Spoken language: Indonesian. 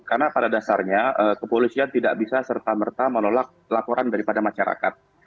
karena pada dasarnya kepolisian tidak bisa serta merta menolak laporan daripada masyarakat